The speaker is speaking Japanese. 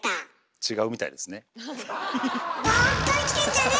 違うみたいですね。